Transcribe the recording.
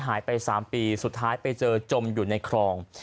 หายไป๓ปีสุดท้ายไปเจอจมอยู่ในคลอง